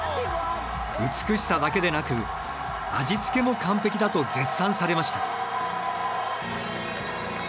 美しさだけでなく味付けも完璧だと絶賛されました。